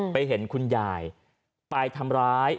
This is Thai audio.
เห็นคุณยายไปทำร้าย